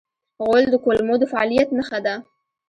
غول د کولمو د فعالیت نښه ده.